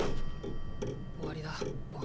終わりだボン。